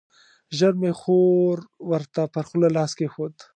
ژر مې خور ورته پر خوله لاس کېښود.